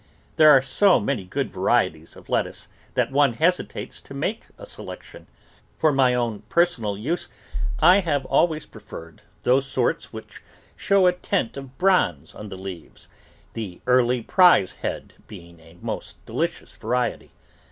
There are so many good varieties of lettuce that one hesitates to make a selection. For my own personal use I have always preferred those sorts which show a tint of bronze on the leaves, the Early Prize Head being a most delicious variety.